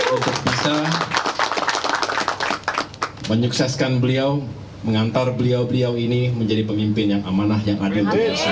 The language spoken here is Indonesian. untuk bisa menyukseskan beliau mengantar beliau beliau ini menjadi pemimpin yang amanah yang adil